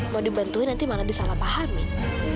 mau dibantuin nanti mana disalah pahamin